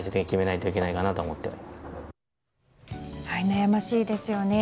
悩ましいですよね。